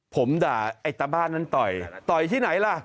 ผมด่าไอ้ตาบ้านนั้นต่อยต่อยที่ไหนล่ะ